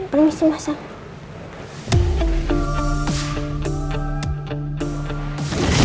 permisi mas ya